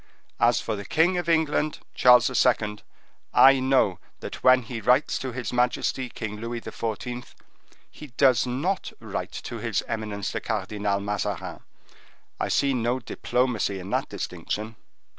As for the king of England, Charles II., I know that when he writes to his majesty King Louis XIV., he does not write to his eminence the Cardinal Mazarin. I see no diplomacy in that distinction."